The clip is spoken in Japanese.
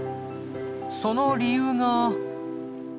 その理由が。